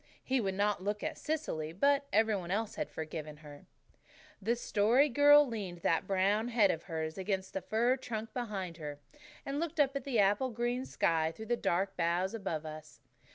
He would not look at Cecily, but every one else had forgiven her. The Story Girl leaned that brown head of hers against the fir trunk behind her, and looked up at the apple green sky through the dark boughs above us.